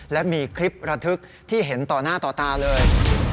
และมีคลิประทึกที่เห็นต่อหน้าต่อตาเลย